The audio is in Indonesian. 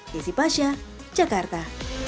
desi pasha jakarta